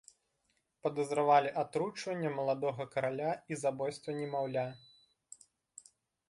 Падазравалі атручванне маладога караля і забойства немаўля.